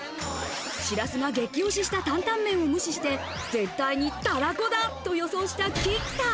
白洲が激推しした担々麺を無視して、絶対にたらこだと予想した菊田。